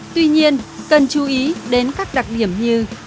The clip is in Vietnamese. tuy nhiên cần chú ý đến các đặc điểm như